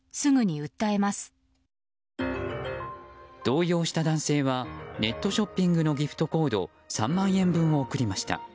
動揺した男性はネットショッピングのギフトコード３万円分を送りました。